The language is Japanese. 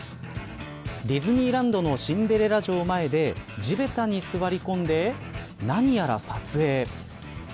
ディズニーランドのシンデレラ城前で地べたに座り込んで何やら撮影。